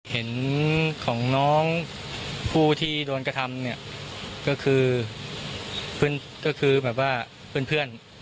เห็นของน้องผู้ที่โดนกระทำเนี่ยก็คือเพื่อนก็คือแบบว่าเพื่อน